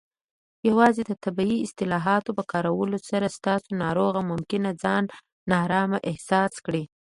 یوازې د طبي اصطلاحاتو په کارولو سره، ستاسو ناروغ ممکن ځان نارامه احساس کړي.